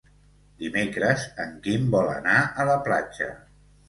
Dimecres en Quim vol anar a la platja.